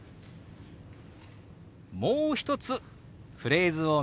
もう一つフレーズを見てみましょう。